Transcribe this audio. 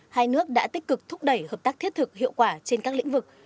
hai nước đã tích cực thúc đẩy hợp tác thiết thực hiệu quả trên các lĩnh vực